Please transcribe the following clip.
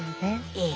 ええ。